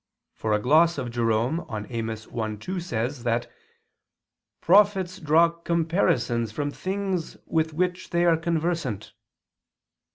For a gloss of Jerome on Amos 1:2 says that "prophets draw comparisons from things with which they are conversant."